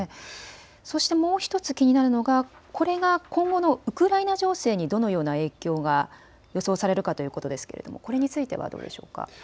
そしてもう１つ気になるのがこれが今後のウクライナ情勢にどのような影響が予想されるかということですけれどもこれについてはどうでしょうか。